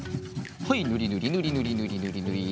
はいぬりぬりぬりぬりぬりぬりぬり。